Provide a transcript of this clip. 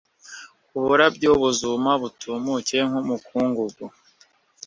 uburabyo buzuma butumuke nk ‘umukungugu .